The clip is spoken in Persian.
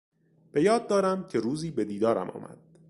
به یاد دارم که روزی به دیدارم آمد.